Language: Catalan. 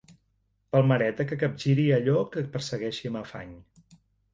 Palmereta que capgiri allò que persegueixi amb afany.